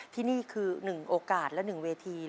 ที่นี่คือ๑โอกาสและ๑เวที